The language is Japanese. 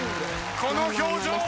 この表情。